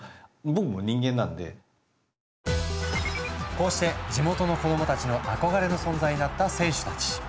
こうして地元の子どもたちの憧れの存在になった選手たち。